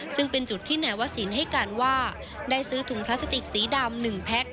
ซึ่งเป็นจุดที่นายวศิลป์ให้การว่าได้ซื้อถุงพลาสติกสีดำ๑แพ็ค